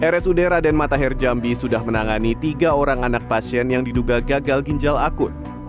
rs udera dan mata herjambi sudah menangani tiga orang anak pasien yang diduga gagal ginjal akut